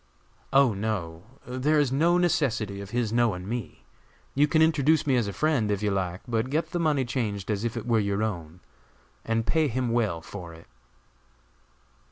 "Oh, no; there is no necessity of his knowing me. You can introduce me as a friend, if you like, but get the money changed as if it were your own, and pay him well for it."